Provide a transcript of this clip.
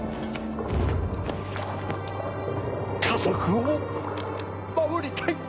家族を守りたい！